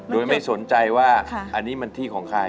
โดยไม่สนใจว่าอันนี้มันที่ของใคร